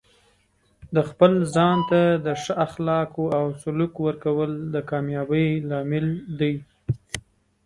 د خپل ځان ته د ښه اخلاقو او سلوک ورکول د کامیابۍ لامل دی.